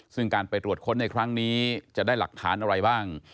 ซึ่งการไปตรวจค้นในครั้งนี้จะได้หลักฐานอะไรบ้าง